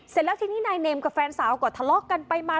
เสร็จแล้วทีนี้นายเนมกับแฟนสาวก็ทะเลาะกันไปมา